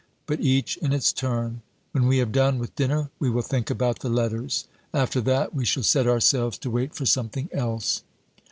But each in its turn. When we have done with dinner we will think about the letters. After that, we shall set ourselves to wait for something else.